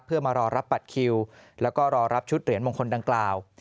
เพื่อมารอรับบัตรคิวแล้วก็รอรับชุดเหรียญมงคลดังกล่าว